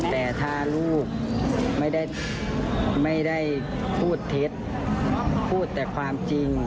แต่ถ้าลูกไม่ได้พูดเท็จพูดแต่ความจริง